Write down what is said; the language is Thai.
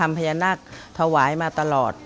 มีหลานชายคนหนึ่งเขาไปสื่อจากคำชโนธ